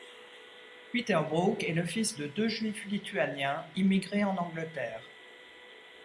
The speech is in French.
Peter Brook est le fils de deux juifs lituaniens immigrés en Angleterre.